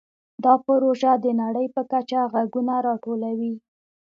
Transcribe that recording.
دا پروژه د نړۍ په کچه غږونه راټولوي.